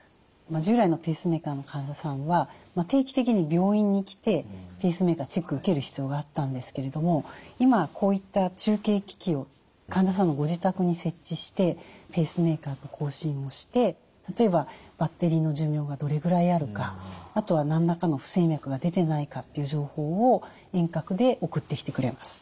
従来のペースメーカーの患者さんは定期的に病院に来てペースメーカーのチェック受ける必要があったんですけれども今こういった中継機器を患者さんのご自宅に設置してペースメーカーと交信をして例えばバッテリーの寿命がどれぐらいあるかあとは何らかの不整脈が出てないかっていう情報を遠隔で送ってきてくれます。